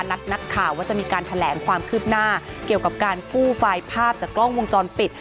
นักข่าวว่าจะมีการแถลงความคืบหน้าเกี่ยวกับการกู้ไฟล์ภาพจากกล้องวงจรปิด